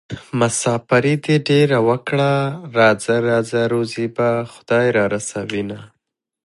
مساپري دې ډېره وکړه راځه راځه روزي به خدای رارسوينه